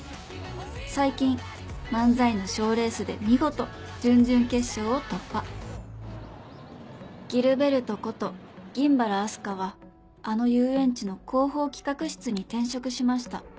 最近漫才の賞レースで見事準々決勝を突破「ギルベルト」こと銀原明日香はあの遊園地の広報企画室に転職しました